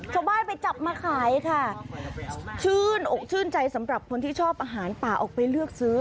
ชาวบ้านไปจับมาขายค่ะชื่นอกชื่นใจสำหรับคนที่ชอบอาหารป่าออกไปเลือกซื้อ